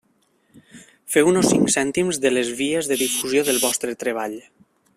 Feu-nos cinc cèntims de les vies de difusió del vostre treball.